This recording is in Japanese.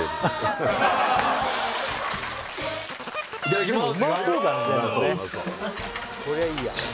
いただきます！